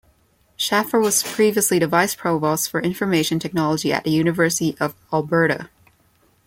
Schaeffer was previously the Vice-Provost for Information Technology at the University of Alberta.